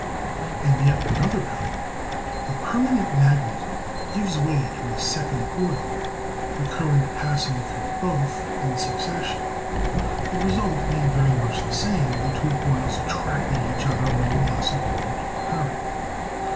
In yet another kind the permanent magnet gives way to a second coil, the current passing through both in succession, the result being very much the same, the two coils attracting each other more or less according to the current.